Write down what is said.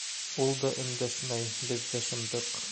Ул да өндәшмәй, беҙ ҙә шымдыҡ.